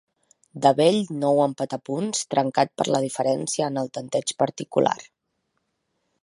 De bell nou empat a punts trencat per la diferència en el tanteig particular.